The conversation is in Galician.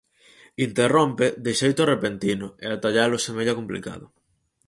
Interrompe de xeito repentino e atallalo semella complicado.